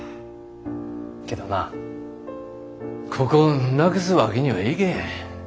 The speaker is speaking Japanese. けどなここなくすわけにはいけへん。